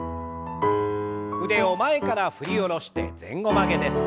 腕を前から振り下ろして前後曲げです。